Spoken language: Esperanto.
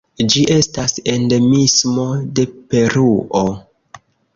Ĝi estas endemismo de Peruo.